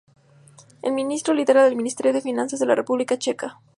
El ministro lidera el Ministerio de Finanzas de la República Checa.